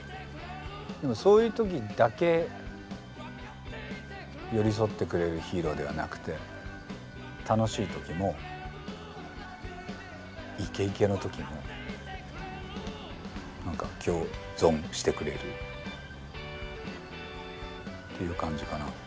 でもそういう時だけ寄り添ってくれるヒーローではなくて楽しい時もイケイケの時もなんか共存してくれるという感じかな。